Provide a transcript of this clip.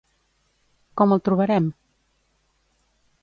Com el trobarem?